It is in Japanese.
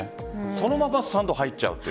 そのままスタンドに入っちゃうと。